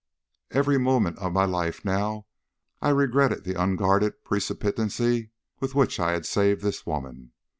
Every moment of my life now I regretted the unguarded precipitancy with which I had saved this woman.